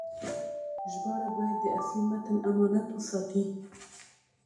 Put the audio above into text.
ژباړه باید د اصلي متن امانت وساتي.